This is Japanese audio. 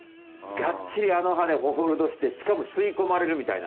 がっちりあの歯でホールドしてしかもすいこまれるみたいな。